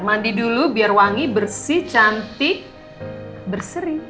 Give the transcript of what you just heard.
mandi dulu biar wangi bersih cantik bersering